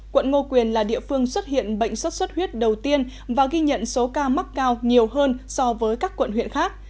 quận ngô quyền là địa phương xuất hiện bệnh xuất xuất huyết đầu tiên và ghi nhận số ca mắc cao nhiều hơn so với các quận huyện khác